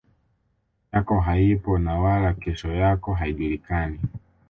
yako haipo na wala kesho yako haijulikani